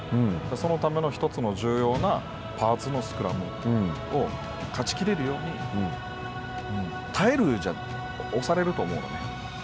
そのための１つの重要なパーツのスクラムを勝ちきれるように耐えるじゃ押されると思うのね。